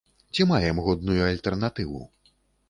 Ці маем годную альтэрнатыву?